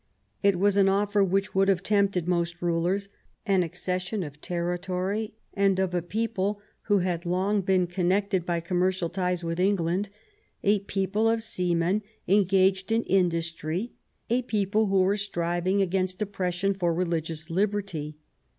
It was an offer which would have tempted most rulers — an accession of territory and of a people who had long been connected by commercial ties with England, a people of seamen engaged in industry, a people who were striving against oppression for religious liberty.